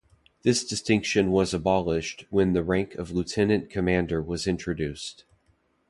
This distinction was abolished when the rank of lieutenant commander was introduced.